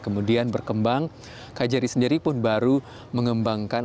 kemudian berkembang kjri sendiri pun baru mengembangkan